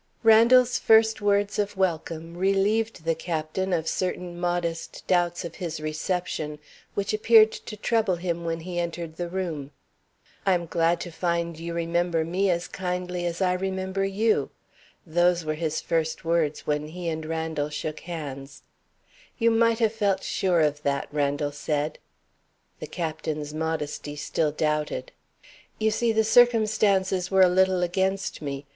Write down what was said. Randal's first words of welcome relieved the Captain of certain modest doubts of his reception, which appeared to trouble him when he entered the room. "I am glad to find you remember me as kindly as I remember you." Those were his first words when he and Randal shook hands. "You might have felt sure of that," Randal said. The Captain's modesty still doubted. "You see, the circumstances were a little against me.